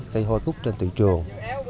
cây hoa cúc trên thị trường